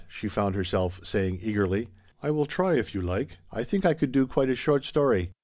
she found herself saying eagerly. " I will try, if you like. I think I could do quite a short story.